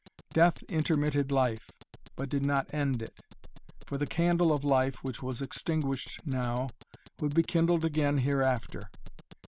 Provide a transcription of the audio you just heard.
Death intermitted life, but did not end it. For the candle of life, which was extinguished now, would be kindled again hereafter.